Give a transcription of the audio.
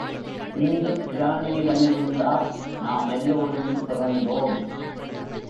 இந்தப் பிராணியிடமிருந்தா நாம் எல்லாரும் பிறந்தோம்?